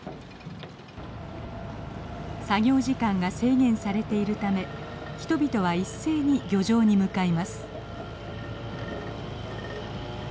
作業時間が制限されているため人々は一斉に漁場に向かいます。